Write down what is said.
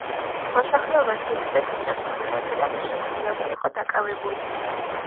მოსახლეობა ძირითადად მიწათმოქმედებითა და მესაქონლეობით იყო დაკავებული